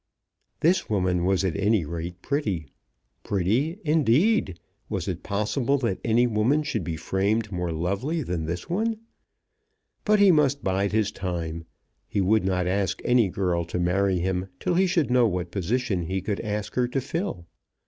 This woman was at any rate pretty. Pretty, indeed! Was it possible that any woman should be framed more lovely than this one? But he must bide his time. He would not ask any girl to marry him till he should know what position he could ask her to fill.